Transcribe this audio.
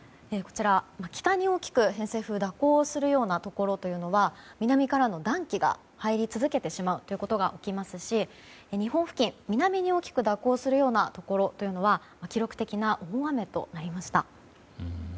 北に大きく偏西風が蛇行するところは南からの暖気が入り続けてしまうということが起きますし、日本付近南に大きく蛇行するようなところは記録的な大雨となりました。